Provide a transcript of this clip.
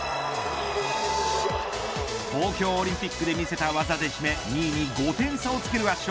東京オリンピックで見せた技で締め２位に５点差をつける圧勝。